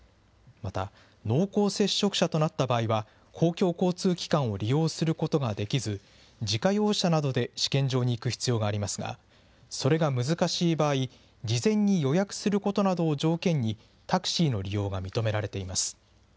また濃厚接触者となった場合は、公共交通機関を利用することができず、自家用車などで試験場に行く必要がありますが、それが難しい場合、事前に予約することなどを条件に、タクシーの利用が認められています。